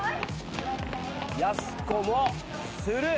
やす子もスルー。